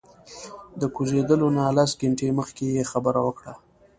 د کوزیدلو نه لس ګنټې مخکې یې خبره وکړه.